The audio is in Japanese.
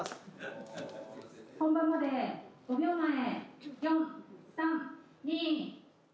本番まで５秒前。